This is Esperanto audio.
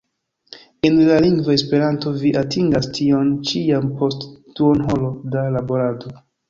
En la lingvo Esperanto vi atingas tion ĉi jam post duonhoro da laborado!